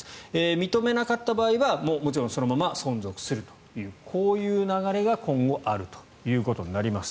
認めなかった場合はもちろんそのまま存続するというこういう流れが今後あるということになります。